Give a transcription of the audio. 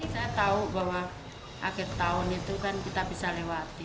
saya tahu bahwa akhir tahun itu kan kita bisa lewati